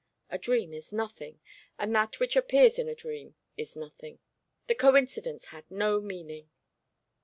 A dream is nothing, and that which appears in a dream is nothing. The coincidence had no meaning.